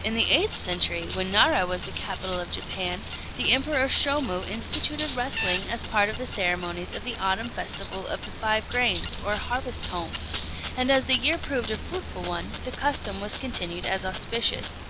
In the eighth century, when Nara was the capital of Japan, the Emperor Shômu instituted wrestling as part of the ceremonies of the autumn festival of the Five Grains, or Harvest Home; and as the year proved a fruitful one, the custom was continued as auspicious.